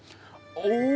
お！